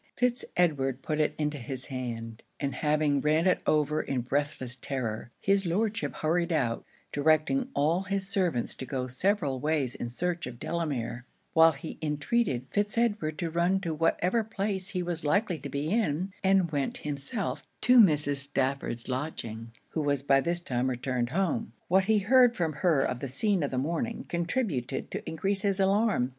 Fitz Edward put it into his hand; and having ran it over in breathless terror, his Lordship hurried out, directing all his servants to go several ways in search of Delamere; while he entreated Fitz Edward to run to whatever place he was likely to be in; and went himself to Mrs. Stafford's lodging, who was by this time returned home. What he heard from her of the scene of the morning, contributed to encrease his alarm.